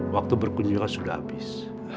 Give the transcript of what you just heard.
waktu berkunjungan sudah habis